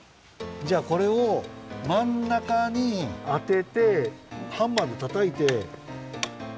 じゃあこれをまんなかにあててハンマーでたたいて。